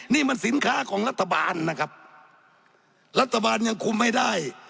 นี่มันสินค้าของรัฐบาลนะครับรัฐบาลยังคุมไม่ได้